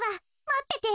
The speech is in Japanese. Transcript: まってて。